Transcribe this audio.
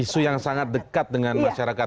isu yang sangat dekat dengan masyarakat